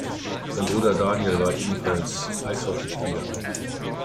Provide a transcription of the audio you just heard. Sein Bruder Daniel war ebenfalls Eishockeyspieler.